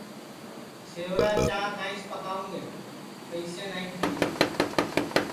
سیورا چاں کائیس پاکاوں گے پئیسے نائی تیے